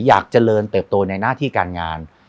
อยากเจริญเติบโตในหน้าที่การงาน